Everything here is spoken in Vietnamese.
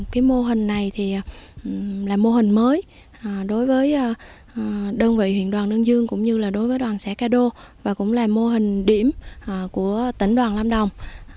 cái mô hình này thì là mô hình mới đối với đơn vị huyện đoàn nương dương cũng như là đoàn xã cà đô và cũng là mô hình điểm của tỉnh đoàn lâm đồng